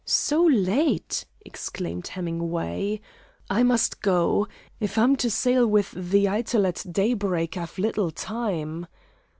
"So late?" exclaimed Hemingway. "I must go. If I'm to sail with the Eitel at daybreak, I've little time!"